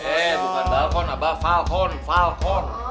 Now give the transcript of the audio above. eh bukan balkon abah falcon falcon